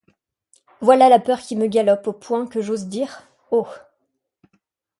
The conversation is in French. Voilà la peur qui me galope au point que j'ose dire : Oh !